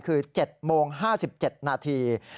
คือ๗โมง๕๗นาที